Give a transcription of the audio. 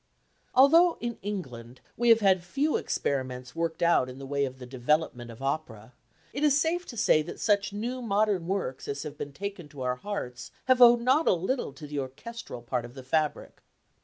Although in England we have had few experiments worked out in the way of the development of opera, it is safe to say that such new modern works as have been taken to our hearts have owed not a little to the orchestral part of the fabric.